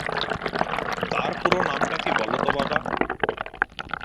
তাঁর পুরো নামটা কী বলো তো বাবা।